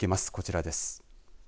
こちらです。